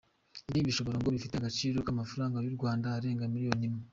Ibi bikoresho ngo bifite agaciro k’amafaranga y’u Rwanda arenga miliyoni imwe.